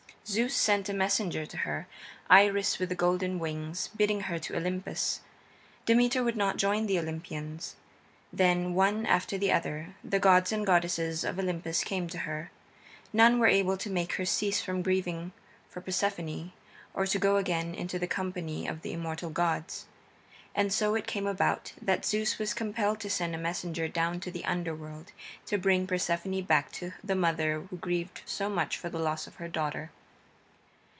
Zeus sent a messenger to her, Iris with the golden wings, bidding her to Olympus. Demeter would not join the Olympians. Then, one after the other, the gods and goddesses of Olympus came to her; none were able to make her cease from grieving for Persephone, or to go again into the company of the immortal gods. And so it came about that Zeus was compelled to send a messenger down to the Underworld to bring Persephone back to the mother who grieved so much for the loss of her.